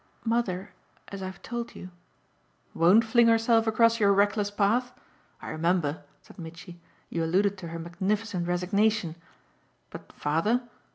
Mother, as I've told you " "Won't fling herself across your reckless path? I remember," said Mitchy "you alluded to her magnificent resignation. But father?"